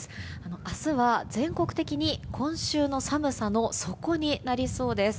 明日は全国的に今週の寒さの底になりそうです。